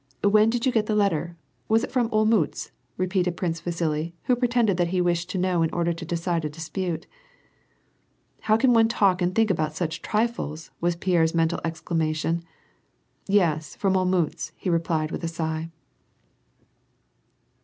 " When did you get the letter ? Was it from Olmiitz ?" re peated Prince Vasili, who pretended that he wished to know in order to decide a disi)ute. "How can one talk and think about such trifles?" was Pierre's mental exclamation. "Yes, from Olmiitz," he re l)lied, with a sigh.